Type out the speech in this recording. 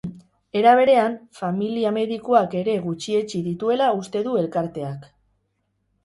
Era berean, familia medikuak ere gutxietsi dituela uste du elkarteak.